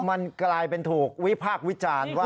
มันกลายเป็นถูกวิพากษ์วิจารณ์ว่า